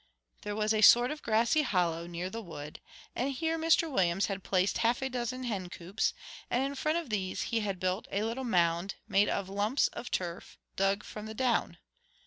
There was a sort of grassy hollow near the wood, and here Mr Williams had placed half a dozen hen coops; and in front of these he had built a little mound, made of lumps of turf dug from the Down.